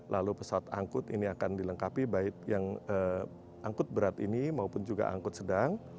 lalu pesawat angkut ini akan dilengkapi baik yang angkut berat ini maupun juga angkut sedang